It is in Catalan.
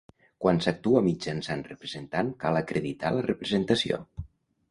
Quan s'actua mitjançant representant cal acreditar la representació.